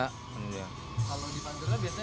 kalau di pantura biasanya